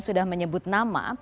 sudah menyebut nama